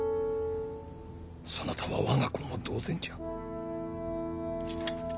そなたは我が子も同然じゃ。